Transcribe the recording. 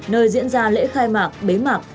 nơi diễn ra lễ khai mạc bế mạc